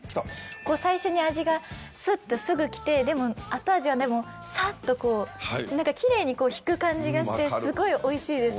最初に味がスッとすぐきて後味はでもサッとこうきれいに引く感じがしてすごいおいしいです。